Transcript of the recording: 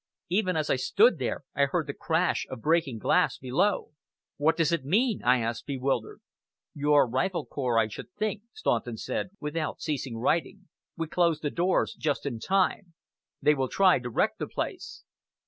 Even as I stood there, I heard the crash of breaking glass below! "What does it mean?" I asked, bewildered. "Your Rifle Corps, I should think," Staunton said, without ceasing writing. "We closed the doors just in time. They will try to wreck the place."